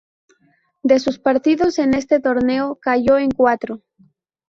De sus partidos en este torneo, cayó en cuatro.